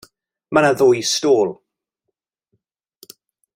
Mae 'na ddwy stôl.